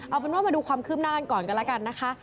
เอาเป็นว่ามาดูความคืบหน้ากันก่อนกันแล้วกันนะคะ